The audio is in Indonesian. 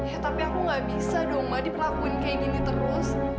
ya tapi aku gak bisa dong mbak diperlakuin kayak gini terus